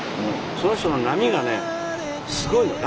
その人の波がねすごいの。